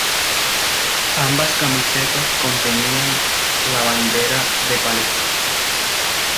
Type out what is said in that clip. Ambas camisetas contenían la bandera de Palestina como escudo.